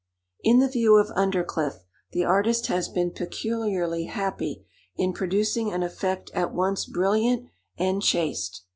In the view of Undercliff, the artist has been peculiarly happy in producing an effect at once brilliant and chaste.